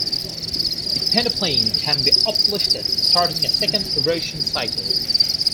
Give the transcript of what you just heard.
The peneplain can be uplifted starting a second erosion cycle.